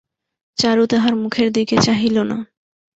চারু তাহার মুখের দিকে চাহিল না।